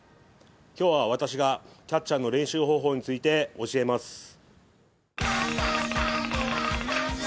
今日は私がキャッチャーの練習方法について教えます。